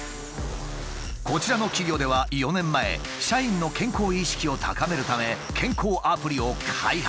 こちらの企業では４年前社員の健康意識を高めるため健康アプリを開発。